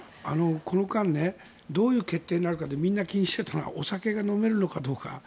この間どういう決定になるかみんな気にしていたのはお酒が飲めるかどうか。